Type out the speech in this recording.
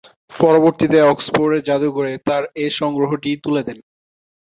পরবর্তীতে অক্সফোর্ডের যাদুঘরে তার এ সংগ্রহটি তুলে দেন।